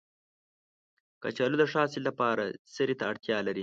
کچالو د ښه حاصل لپاره سرې ته اړتیا لري